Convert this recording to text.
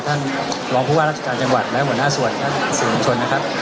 ท่านรองผู้ว่าราชการจังหวัดและหัวหน้าส่วนท่านสื่อมวลชนนะครับ